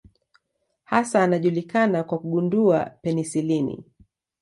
Hasa anajulikana kwa kugundua penisilini.